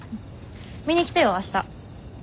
見に来てよ明日。